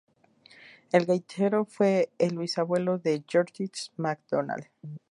El gaitero fue el bisabuelo de George MacDonald.